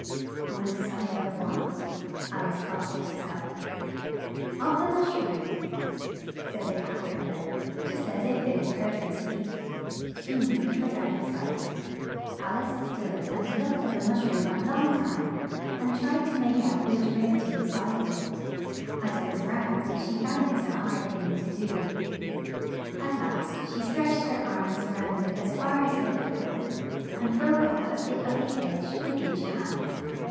"One side of what?" thought Al ice to her self. "Of the mush room," said the Cat er pil lar, just as if it had heard her speak; soon it was out of sight. Al ice stood and looked at the mush room a long time and tried to make out which were the two sides of it; as it was round she found this a hard thing to do. At last she stretched her arms round it as far as they would go, and broke off a bit of the edge with each hand.